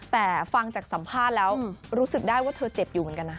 แต่ฟังจากสัมภาษณ์แล้วรู้สึกได้ว่าเธอเจ็บอยู่เหมือนกันนะ